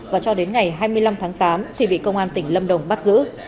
và cho đến ngày hai mươi năm tháng tám thì bị công an tỉnh lâm đồng bắt giữ